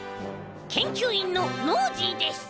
けんきゅういんのノージーです。